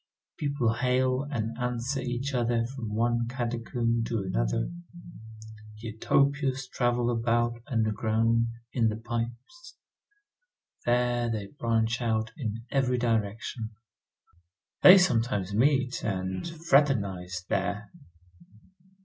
People hail and answer each other from one catacomb to another. Utopias travel about underground, in the pipes. There they branch out in every direction. They sometimes meet, and fraternize there.